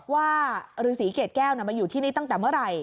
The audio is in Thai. ว่าฤษีเกรดแก้วมาอยู่ที่นี่ตั้งแต่เมื่อไหร่